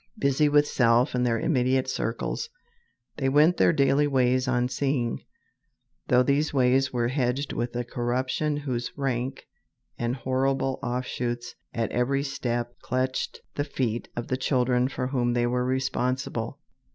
Busy with self and their immediate circles, they went their daily ways unseeing, though these ways were hedged with a corruption whose rank and horrible offshoots at every step clutched the feet of the children for whom they were responsible.